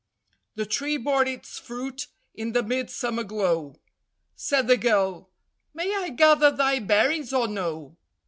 The tree bore its fruit in the midsummer glow: Said the girl, "May I gather thy berries or no?"